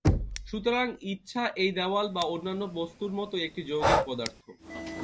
সুতরাং ইচ্ছা এই দেওয়াল বা অন্যান্য বস্তুর মতই একটি যৌগিক পদার্থ।